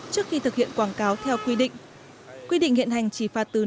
trước khi thực hiện quảng cáo theo quy định